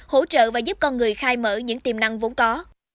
hỗ trợ và giúp con người khai mở những tiềm năng vốn có